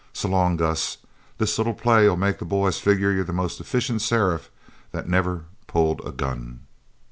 So long, Gus. This little play'll make the boys figger you're the most efficient sheriff that never pulled a gun."